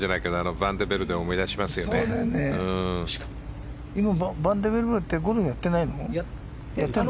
ヴァン・デ・ベルデって今ゴルフやってないの？